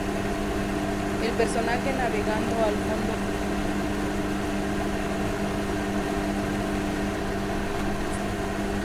El personaje navegando al fondo no era turco, sino la diosa Anfítrite.